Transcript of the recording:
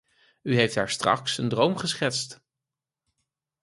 U heeft daarstraks een droom geschetst.